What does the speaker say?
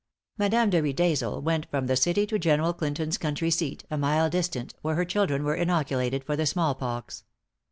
Madame de Riedesel went from the city to General Clinton's country seat, a mile distant, where her children were inoculated for the small pox.